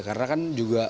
karena kan juga